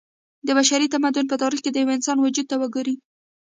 د بشري تمدن په تاريخ کې د يوه انسان وجود ته وګورئ